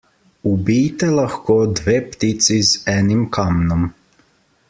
Ubijte lahko dve ptici z enim kamnom.